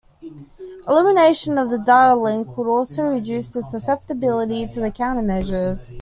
Elimination of the datalink would also reduce the susceptibility to countermeasures.